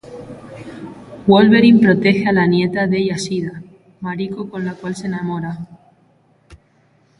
Wolverine protege a la nieta de Yashida, Mariko con la cual se enamora.